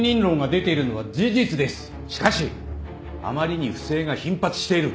しかしあまりに不正が頻発している。